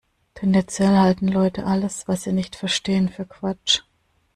Tendenziell halten Leute alles, was sie nicht verstehen, für Quatsch.